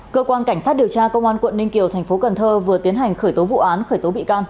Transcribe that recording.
cơ quan cảnh sát điều tra công an quận ninh kiều tp cn vừa tiến hành khởi tố vụ án khởi tố bị can